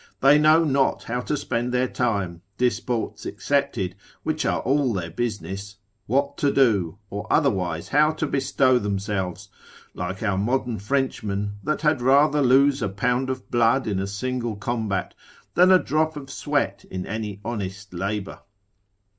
They know not how to spend their time (disports excepted, which are all their business), what to do, or otherwise how to bestow themselves: like our modern Frenchmen, that had rather lose a pound of blood in a single combat, than a drop of sweat in any honest labour.